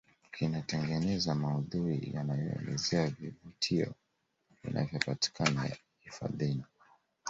kinatengeneza maudhui yanayoelezea vivutio vinavyopatikana hifadhini